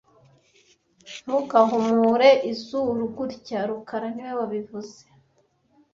Ntugahumure izuru gutya rukara niwe wabivuze